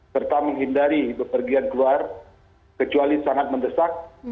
serta menghindari bepergian keluar kecuali sangat mendesak